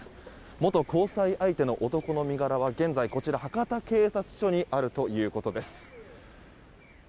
元交際相手の男の身柄は現在、こちら博多警察署にあるということです。